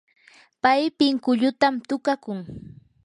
pay pinkullutam tukakun.